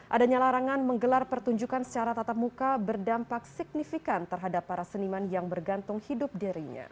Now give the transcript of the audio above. adanya larangan menggelar pertunjukan secara tatap muka berdampak signifikan terhadap para seniman yang bergantung hidup dirinya